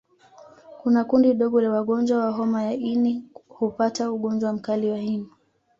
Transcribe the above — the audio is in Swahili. Kuna kundi dogo la wagonjwa wa homa ya ini hupata ugonjwa mkali wa ini